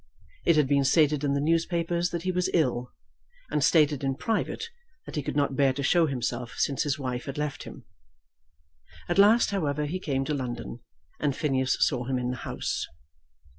It had been stated in the newspapers that he was ill, and stated in private that he could not bear to show himself since his wife had left him. At last, however, he came to London, and Phineas saw him in the House.